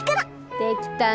できたね！